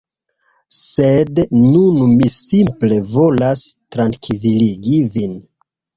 Sed nun mi simple volas trankviligi vin